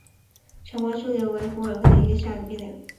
少花溲疏为虎耳草科溲疏属下的一个变种。